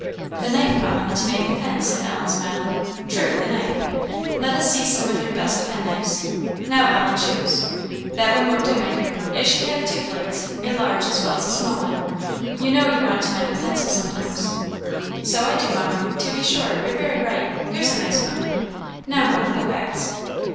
"The knife, Mamma, to make the pens," said Ellen, smiling. "True, the knife. Let us see some of your best penknives. Now, Ellen, choose. That one won't do, my dear; it should have two blades a large as well as a small one. You know you want to mend a pencil sometimes." "So I do, Mamma to be sure you're very right; here's a nice one. Now, Mamma, the wax."